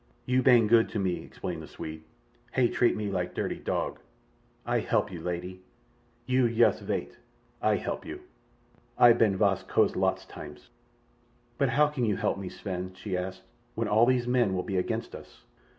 "You bane good to me," explained the Swede. "Hay treat me like darty dog. Ay help you, lady. You yust vait—Ay help you. Ay ban Vast Coast lots times." "But how can you help me, Sven," she asked, "when all these men will be against us?"